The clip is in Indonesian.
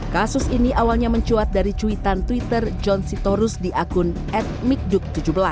kasus ini awalnya mencuat dari cuitan twitter john sitorus di akun at mikduk tujuh belas